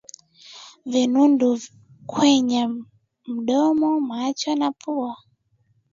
Vinundu kwenye mdomo macho na pua